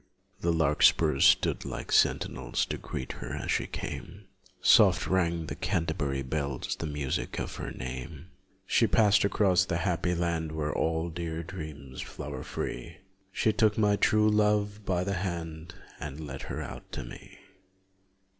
The larkspurs stood like sentinels To greet her as she came, Soft rang the Canterbury bells The music of her name. She passed across the happy land Where all dear dreams flower free; She took my true love by the hand And led her out to me.